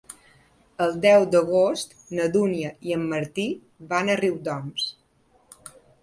El deu d'agost na Dúnia i en Martí van a Riudoms.